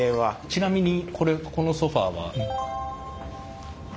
ちなみにこれこのソファーは？